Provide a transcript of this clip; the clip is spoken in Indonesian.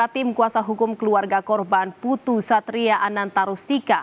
tim kuasa hukum keluarga korban putu satria ananta rustika